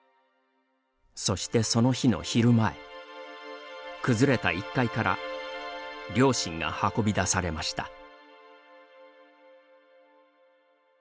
そして、その日の昼前崩れた１階から両親が運び出されました。